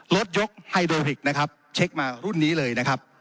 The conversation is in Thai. ยกไฮโดริกนะครับเช็คมารุ่นนี้เลยนะครับ